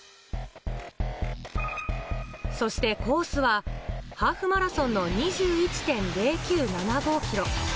そしてコースはハーフマラソンの２１．０９７５ｋｍ。